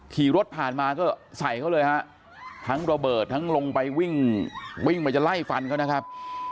ขี่รถผ่านมาก็ใส่เขาเลยฮะทั้งระเบิดทั้งลงไปวิ่งวิ่งมาจะไล่ฟันเขานะครับ